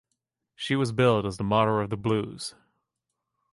She was billed as the "Mother of the Blues".